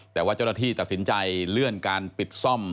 แต่ว่าเจ้าหน้าที่ตัดสินใจเลื่อนการปิดซ่อม